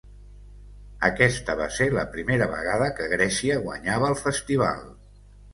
Aquesta va ser la primera vegada que Grècia guanyava el Festival.